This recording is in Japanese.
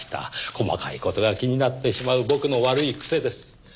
細かい事が気になってしまう僕の悪い癖です。